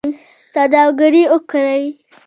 سوداګري وکړئ